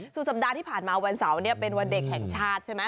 สุดสัปดาห์ที่ผ่านมาวันเสาร์เนี่ยเป็นวันเด็กแห่งชาติใช่ไหม